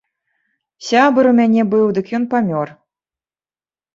Сябар у мяне быў, дык ён памёр.